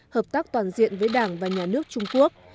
hợp tác toàn diện với đảng và nhà nước trung quốc